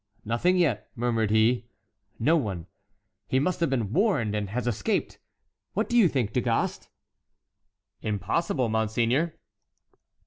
"Nothing yet!" murmured he. "No one!—he must have been warned and has escaped. What do you think, Du Gast?" "Impossible, monseigneur."